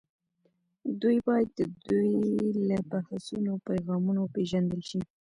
دوی باید د دوی له بحثونو او پیغامونو وپېژندل شي